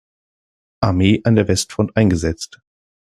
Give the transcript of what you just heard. Armee an der Westfront eingesetzt.